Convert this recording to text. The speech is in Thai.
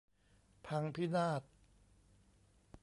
พังพินาศ